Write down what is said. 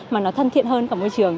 mà nó thân thiện hơn cả môi trường